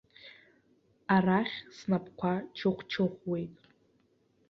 Арахь снапқәа чыхәчыхәуеит.